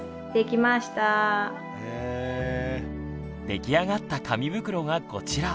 出来上がった紙袋がこちら。